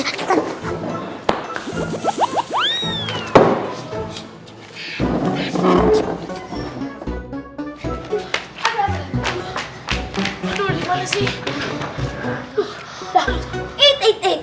aduh dimana sih